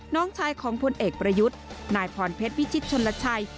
น้องชายของพลเอกประยุทธ์นายพรเพชรวิชิตชนลชัย